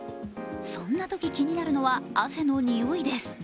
そんなとき気になるのは汗のニオイです。